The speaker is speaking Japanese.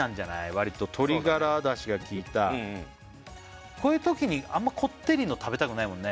わりと鶏ガラだしが効いたうんうんこういうときにあんまりこってりの食べたくないもんね